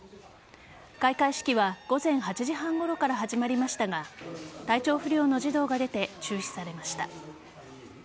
開会式は午前８時半ごろから始まりましたが体調不良の児童が出て中止されました。